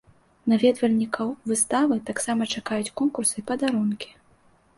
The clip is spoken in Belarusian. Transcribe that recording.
Наведвальнікаў выставы таксама чакаюць конкурсы і падарункі.